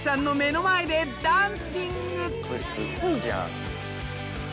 これすごいじゃん！